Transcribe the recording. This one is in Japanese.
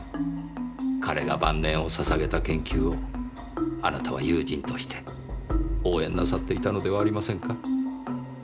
彼が晩年を捧げた研究をあなたは友人として応援なさっていたのではありませんか？